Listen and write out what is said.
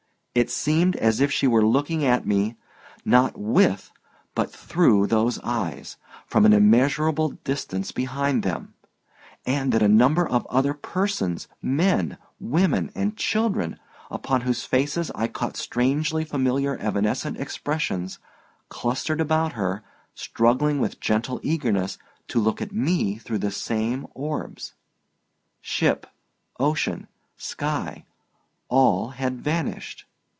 It seemed as if she were looking at me, not with, but through, those eyes—from an immeasurable distance behind them—and that a number of other persons, men, women and children, upon whose faces I caught strangely familiar evanescent expressions, clustered about her, struggling with gentle eagerness to look at me through the same orbs. Ship, ocean, sky—all had vanished.